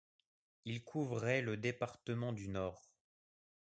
Il couvrait le département du Nord.